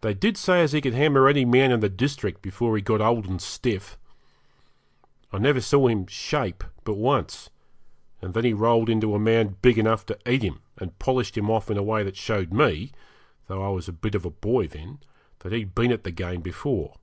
They did say as he could hammer any man in the district before he got old and stiff. I never saw him 'shape' but once, and then he rolled into a man big enough to eat him, and polished him off in a way that showed me though I was a bit of a boy then that he'd been at the game before.